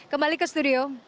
kembali ke studio